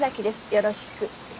よろしく。